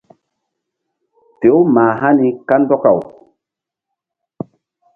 Fe-u mah hani kandɔkaw.